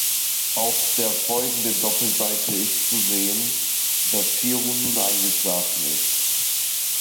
Auf der folgenden Doppelseite ist zu sehen, dass Shiro nun eingeschlafen ist.